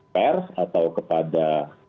pers atau kepada